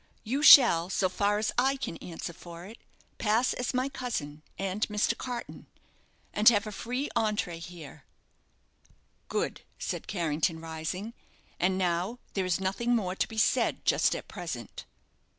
"You shall, so far as I can answer for it, pass as my cousin and Mr. Carton, and have a free entré here." "Good," said Carrington, rising. "And now there is nothing more to be said just at present."